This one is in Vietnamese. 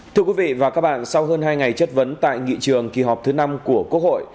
thưa quý vị và các bạn sau hơn hai ngày chất vấn tại nghị trường kỳ họp thứ năm của quốc hội